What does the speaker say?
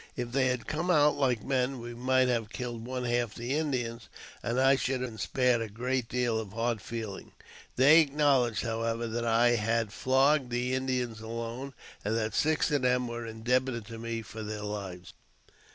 If they had come out like men, we might have killed one half the Indians, and I should have been spared a good deal of hard feeling. They acknowledged, however, that I had flogged the Indians alone, and that six of them were indebted to me for their lives.